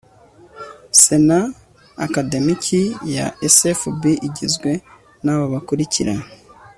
Sena Akademiki ya SFB igizwe n aba bakurikira